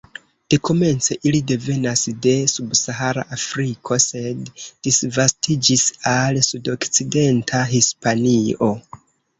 Dekomence ili devenas de subsahara Afriko, sed disvastiĝis al sudokcidenta Hispanio.